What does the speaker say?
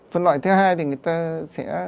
phân loại thứ hai thì người ta sẽ